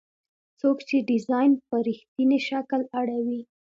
څوک چې ډیزاین په رښتیني شکل اړوي.